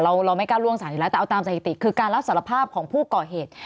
เราไม่กล้าล่วงสารอยู่แล้วแต่เอาตามสถิติคือการรับสารภาพของผู้ก่อเหตุ